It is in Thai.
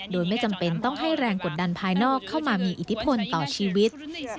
โดยไม่จำเป็นต้องให้แรงกดดันภายนอกเข้ามามีอิทธิพลต่อชีวิต